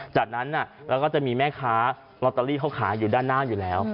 จากนั้นแล้วก็จะมีแม่ค้าลอตเตอรี่เขาขายอยู่ด้านหน้าอยู่แล้ว